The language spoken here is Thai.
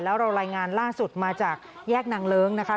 แล้วเรารายงานล่าสุดมาจากแยกนางเลิ้งนะคะ